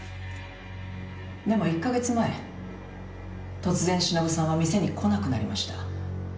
「でも１カ月前突然しのぶさんは店に来なくなりました」